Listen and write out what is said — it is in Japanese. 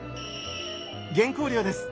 原稿料です。